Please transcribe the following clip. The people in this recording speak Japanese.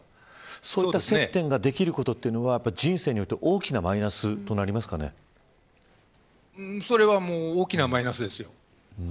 そういった接点ができることというのは人生にとって、大きなそれはもう大きなマイナスですよ。